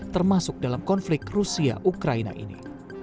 termasuk dalam konflik rusia ukraina ini